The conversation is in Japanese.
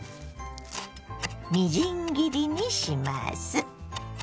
みじん切りにします。